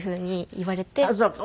あっそうか。